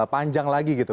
panjang lagi gitu